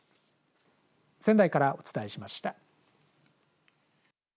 仙台からお伝えしました。